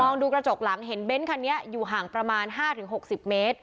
มองดูกระจกหลังเห็นเบนคันนี้อยู่ห่างประมาณห้าถึงหกสิบเมตร